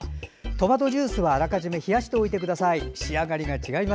トマトジュースは、あらかじめ冷やしておいてください。